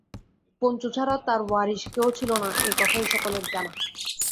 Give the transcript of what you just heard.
পঞ্চু ছাড়া তার ওয়ারিশ কেউ ছিল না এই কথাই সকলের জানা।